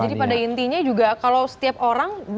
jadi pada intinya juga kalau setiap orang